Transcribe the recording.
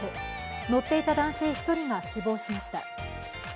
乗っていた男性１人が死亡しました。